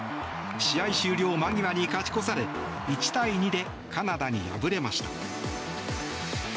試合終了間際に勝ち越され１対２でカナダに敗れました。